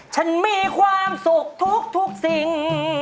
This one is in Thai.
ฉันมีความสุขทุกสิ่ง